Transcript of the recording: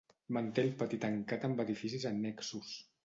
Manté el pati tancat amb edificis annexos.